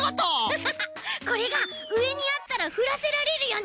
これがうえにあったらふらせられるよね。